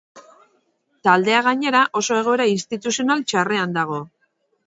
Taldea, bainera, oso egoera instituzional txarrean dago.